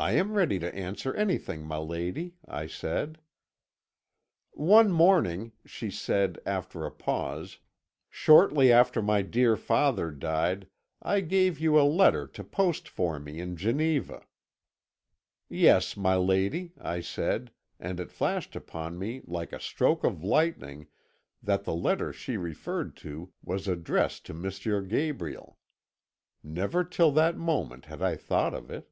"'I am ready to answer anything, my lady,' I said. "'One morning,' she said, after a pause, 'shortly after my dear father died, I gave you a letter to post for me in Geneva.' "'Yes, my lady,' I said, and it flashed upon me like a stroke of lightning that the letter she referred to was addressed to M. Gabriel. Never till that moment had I thought of it.